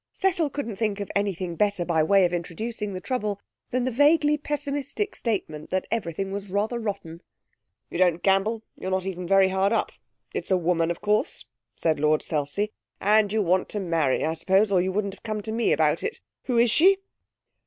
Cecil couldn't think of anything better by way of introducing the trouble than the vaguely pessimistic statement that everything was rather rotten. 'You don't gamble, you're not even very hard up.... It's a woman, of course,' said Lord Selsey, 'and you want to marry, I suppose, or you wouldn't come to me about it.... Who is she?'